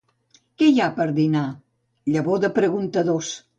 —Què hi ha per dinar? —Llavor de preguntadors.